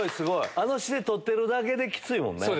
あの姿勢取ってるだけできついもんね。